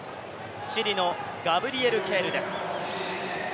チリのガブリエル・ケールです。